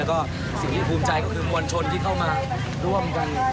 สิ่งที่ที่ผมธรูปใจคือมวลชนที่เข้ามาร่วมกัน